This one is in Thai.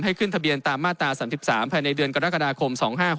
ขึ้นทะเบียนตามมาตรา๓๓ภายในเดือนกรกฎาคม๒๕๖๖